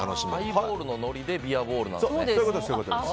ハイボールのノリでビアボールなんですね。